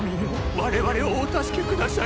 我々をお助け下さい！